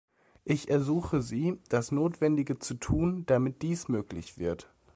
Ich ersuche Sie, das Notwendige zu tun, damit dies möglich wird.